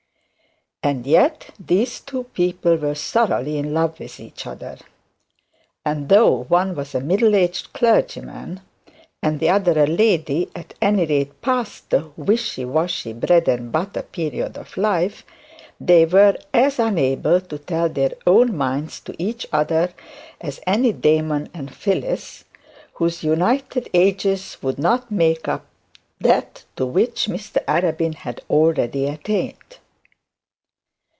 And yet these two people were thoroughly in love with each other; and though one was a middle aged clergyman, and the other a lady at any rate past the wishy washy bread and butter period of life, they were as unable to tell their own minds to each other as any Damon and Phillis, whose united ages would not make up that to which Mr Arabin had already attained.